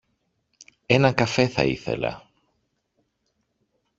Έναν καφέ θα ήθελα